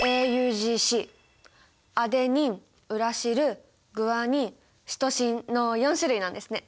アデニンウラシルグアニンシトシンの４種類なんですね！